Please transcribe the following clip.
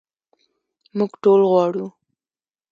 موږ ټول غواړو.